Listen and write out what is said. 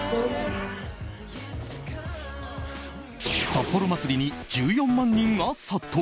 札幌まつりに１４万人が殺到。